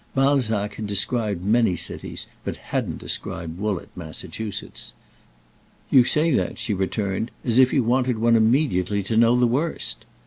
Balzac had described many cities, but hadn't described Woollett Massachusetts. "You say that," she returned, "as if you wanted one immediately to know the worst."